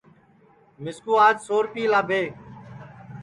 مِسکُو آج سو ریپئے لاٻھے